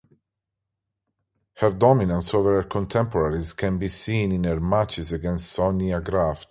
Her dominance over her contemporaries can be seen in her matches against Sonja Graf.